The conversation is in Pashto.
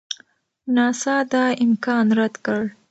ناسا دا امکان رد کړ.